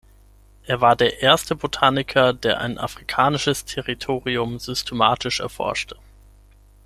Er war der erste Botaniker, der ein afrikanisches Territorium systematisch erforschte.